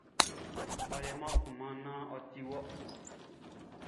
Ɔ leman kunman naan ɔ ti wɔ.